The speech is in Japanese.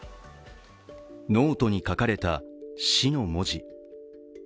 ノートに書かれた「死」の文字。